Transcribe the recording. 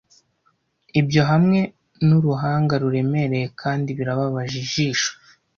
ibyo hamwe nu ruhanga ruremereye kandi birababaje ijisho